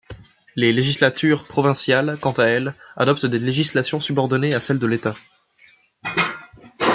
Les législatures provinciales quant à elles adoptent des législations subordonnées à celle de l’État.